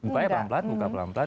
bukanya pelan pelan buka pelan pelan